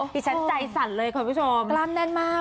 ดิฉันใจสั่นเลยคุณผู้ชมกล้ามแน่นมาก